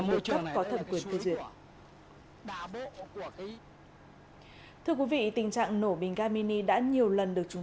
nổi cấp có thẩm quyền phê duyệt thưa quý vị tình trạng nổ bình garmini đã nhiều lần được chúng